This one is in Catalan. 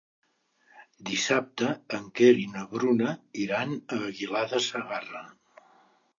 Dissabte en Quer i na Bruna iran a Aguilar de Segarra.